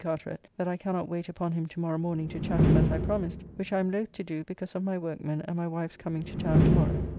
Carteret that I cannot wait upon him to morrow morning to Chatham as I promised, which I am loth to do because of my workmen and my wife's coming to town to morrow.